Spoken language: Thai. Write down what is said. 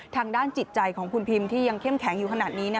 ทางด้านจิตใจของคุณพิมที่ยังเข้มแข็งอยู่ขนาดนี้